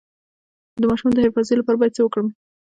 د ماشوم د حافظې لپاره باید څه ورکړم؟